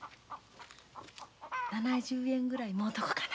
７０円ぐらいもろとこうかな。